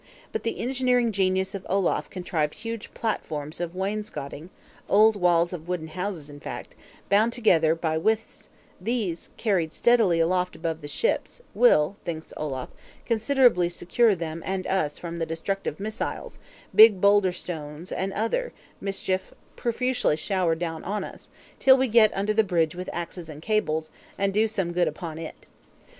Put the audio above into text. But the engineering genius of Olaf contrived huge "platforms of wainscoting [old walls of wooden houses, in fact], bound together by withes;" these, carried steadily aloft above the ships, will (thinks Olaf) considerably secure them and us from the destructive missiles, big boulder stones, and other, mischief profusely showered down on us, till we get under the Bridge with axes and cables, and do some good upon it.